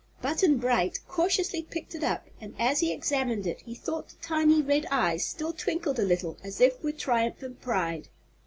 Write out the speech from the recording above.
Button Bright cautiously picked it up and as he examined it he thought the tiny red eyes still twinkled a little, as if with triumph and pride.